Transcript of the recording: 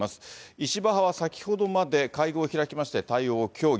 石破派は先ほどまで会合を開きまして対応を協議。